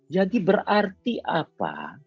jadi berarti apa